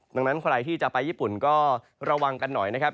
ดังนั้นใครที่จะไปญี่ปุ่นก็ระวังกันหน่อยนะครับ